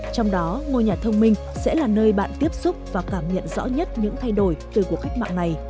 trong đó ngôi nhà thông minh sẽ là nơi bạn tiếp xúc và cảm nhận rõ nhất những thay đổi từ cuộc cách mạng này